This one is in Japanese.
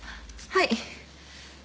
はい。